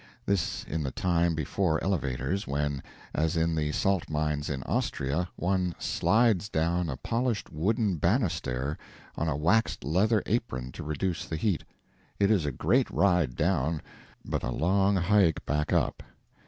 [This in the time before elevators, when, as in the salt mines in Austria, one slides down a polished wooden bannister on a waxed leather apron to reduce the heat. It is a great ride down but a long hike back up.